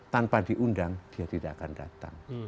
tanpa diundang dia tidak akan datang